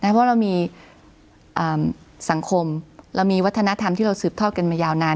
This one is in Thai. เพราะเรามีสังคมเรามีวัฒนธรรมที่เราสืบทอดกันมายาวนาน